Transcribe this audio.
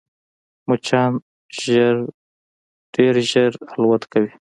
مچان ډېر ژر الوت کوي